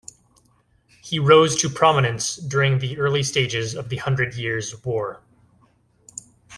He rose to prominence during the early stages of the Hundred Years' War.